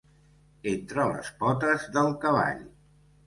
Entre les potes del cavall.